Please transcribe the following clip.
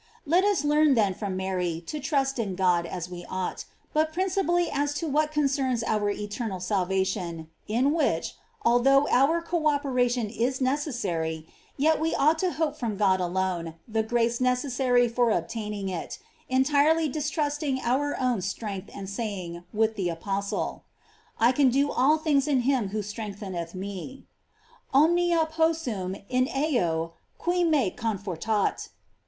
Let us learn then from Mary to trust inGodai we ought, but principally as to what concerns our eternal salvation, in which, although our co operation is necessary, yet we ought to hope from God alone the grace necessary for obtain ing it, entirely distrusting our own strength and saying with the apostle : I can do all things in him who strengtheneth me : "Omnia possum in eo qui me confortat."